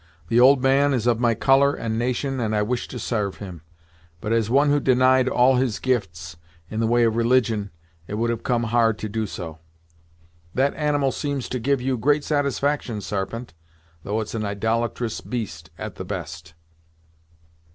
The old man is of my colour and nation and I wish to sarve him, but as one who denied all his gifts, in the way of religion, it would have come hard to do so. That animal seems to give you great satisfaction, Sarpent, though it's an idolatrous beast at the best."